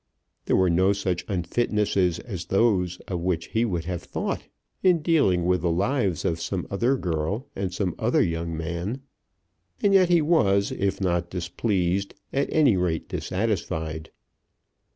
There were no such unfitnesses as those of which he would have thought in dealing with the lives of some other girl and some other young man. And yet he was, if not displeased, at any rate dissatisfied.